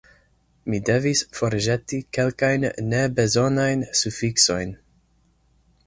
Mi devis forĵeti kelkajn nebezonajn sufiksojn.